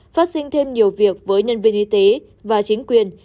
phát sinh thêm nhiều việc với nhân viên y tế và chính quyền